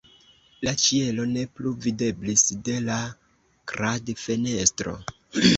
La ĉielo ne plu videblis de la kradfenestro.